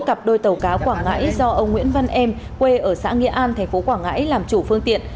cặp đôi tàu cá quảng ngãi do ông nguyễn văn em quê ở xã nghĩa an thành phố quảng ngãi làm chủ phương tiện